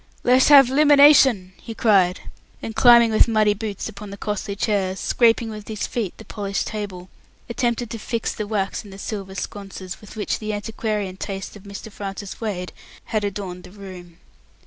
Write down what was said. "Let's have 'luminashon!" he cried; and climbing with muddy boots upon the costly chairs, scraping with his feet the polished table, attempted to fix the wax in the silver sconces, with which the antiquarian tastes of Mr. Francis Wade had adorned the room.